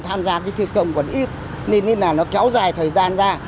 tham gia cái thi công còn ít nên là nó kéo dài thời gian ra